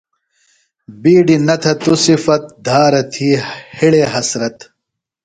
بِیڈیۡ نہ تھہ تو صِفت دھارہ تھی ہِڑے حسرت۔